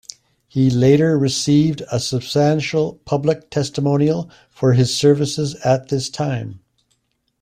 He later received a substantial public testimonial for his services at this time.